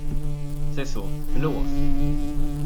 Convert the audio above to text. Se så, blås.